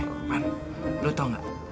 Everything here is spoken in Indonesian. eh bang lu tau ga